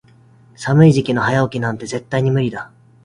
寒い時期の早起きなんて絶対に無理だ。